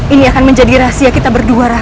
ini akan menjadi rahasia kita berdua